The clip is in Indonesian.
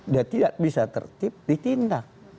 dia tidak bisa tertib ditindak